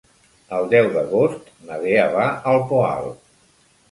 El deu d'agost na Lea va al Poal.